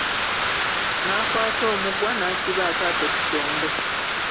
N'akwata omugwa n'asiba akaato ku kyombo.